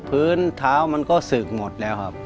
พื้นเท้ามันก็ศึกหมดแล้วครับ